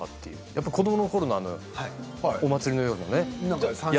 やっぱ子どものころのあのお祭りのようなね屋台の。